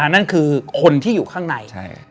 นั่นคือคนที่อยู่ข้างใน